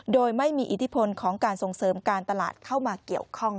โดยไม่มีอิทธิพลของการส่งเสริมการตลาดเข้ามาเกี่ยวข้อง